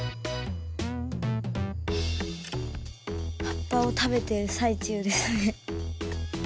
葉っぱを食べてる最中ですね。